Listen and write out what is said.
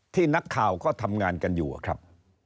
ที่นักข่าวเขาทำงานกันอยู่ครับ